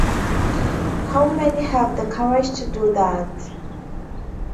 How many have the courage to do that?